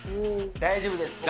大丈夫です。